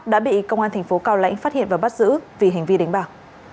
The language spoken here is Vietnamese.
đã bị công an tp cao lãnh phát hiện và bắt giữ vì hành vi đánh bài